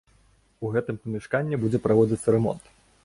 У гэтым памяшканні будзе праводзіцца рамонт.